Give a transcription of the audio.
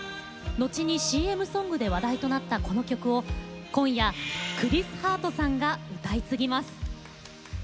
後にＣＭソングで話題となったこの曲を今夜、クリス・ハートさんが歌い継ぎます。